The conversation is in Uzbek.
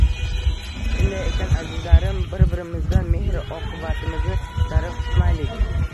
Shunday ekan azizlarim, bir-birimizdan mehr oqibatimizni darig‘ tutmaylik